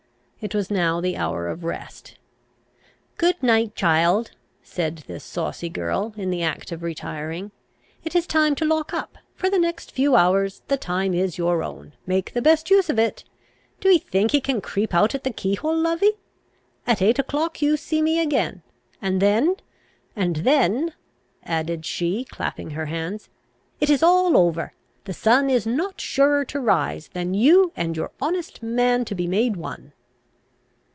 It was now the hour of rest. "Good night, child," said this saucy girl, in the act of retiring. "It is time to lock up. For the few next hours, the time is your own. Make the best use of it! Do'ee think ee can creep out at the key hole, lovey? At eight o'clock you see me again. And then, and then," added she, clapping her hands, "it is all over. The sun is not surer to rise, than you and your honest man to be made one."